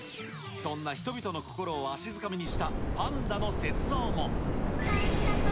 そんな人々の心をわしづかみにしたパンダの雪像も。